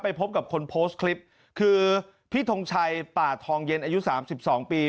ไปพบกับคนโพสต์คลิปคือพี่ทงชัยป่าทองเย็นอายุ๓๒ปี